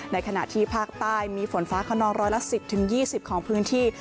ในขณะที่ภาคใต้มีฝนฟ้าขนองร้อยละ๑๐๒๐ของพื้นที่